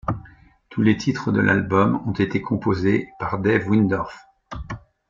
Tous les titres de l'album ont été composés par Dave Wyndorf.